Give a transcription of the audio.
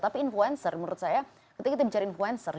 tapi influencer menurut saya ketika kita bicara influencer